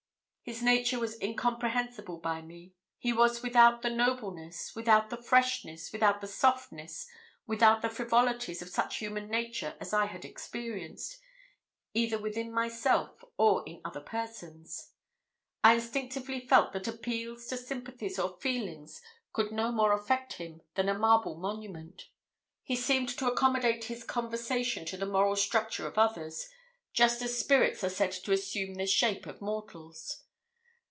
His nature was incomprehensible by me. He was without the nobleness, without the freshness, without the softness, without the frivolities of such human nature as I had experienced, either within myself or in other persons. I instinctively felt that appeals to sympathies or feelings could no more affect him than a marble monument. He seemed to accommodate his conversation to the moral structure of others, just as spirits are said to assume the shape of mortals.